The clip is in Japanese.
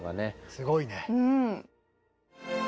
すごいね。